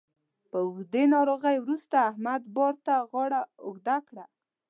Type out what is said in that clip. له اوږدې ناروغۍ وروسته احمد بار ته غاړه اوږده کړه